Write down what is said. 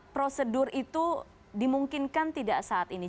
prosedur itu dimungkinkan tidak saat ini